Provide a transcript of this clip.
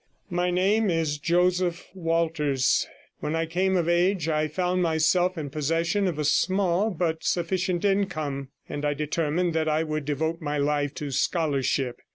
My name is Joseph Walters. When I came of age I found myself in possession of a small but sufficient income, and I determined that I would devote my life to scholarship.